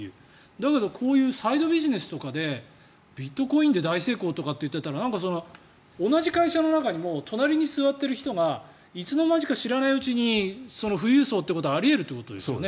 だけどこういうサイドビジネスとかでビットコインで大成功とかっていっていたら同じ会社の中に隣に座っている人がいつの間にか知らないうちに富裕層ということがあり得るということですね。